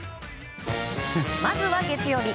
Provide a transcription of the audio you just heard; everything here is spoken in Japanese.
まずは月曜日。